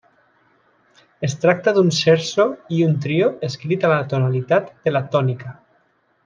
Es tracta d'un scherzo i un trio escrit a la tonalitat de la tònica.